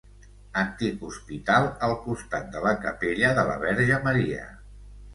Antic hospital al costat de la capella de la Verge Maria.